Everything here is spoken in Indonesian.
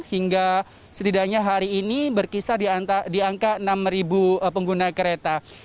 hingga setidaknya hari ini berkisar di angka enam pengguna kereta